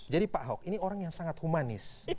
jadi pak ahok ini orang yang sangat humanis